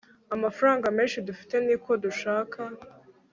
amafaranga menshi dufite, niko dushaka